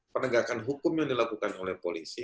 penegakan hukum yang dilakukan oleh polisi